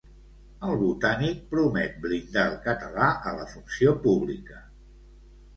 El Botànic promet blindar el català a la funció pública.